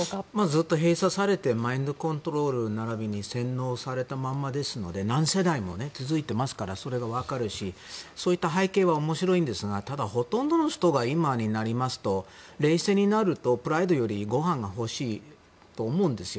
ずっと閉鎖されてマインドコントロール並びに洗脳されたままですので何世代も続いていますからそれは分かるしそういった背景は面白いんですが、ただほとんどの人が今になりますと冷静になると、プライドよりごはんが欲しいと思うんですよ。